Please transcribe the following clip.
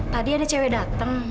tadi ada cewek dateng